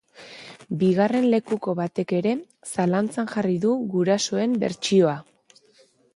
Bigarren lekuko batek ere zalantzan jarri du gurasoen bertsioa.